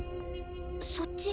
そっち